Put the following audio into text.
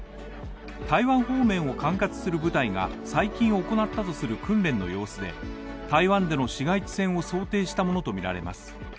台湾方面を管轄する部隊が最近行ったとする訓練の様子で、台湾での市街地戦を想定したものとみられます。